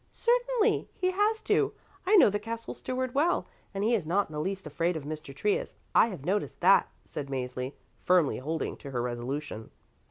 "Certainly! He has to. I know the Castle Steward well, and he is not in the least afraid of Mr. Trius; I have noticed that," said Mäzli, firmly holding to her resolution.